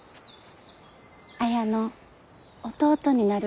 綾の弟になるが。